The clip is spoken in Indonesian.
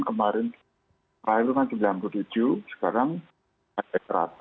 kemarin terakhir itu kan sembilan puluh tujuh sekarang ada seratus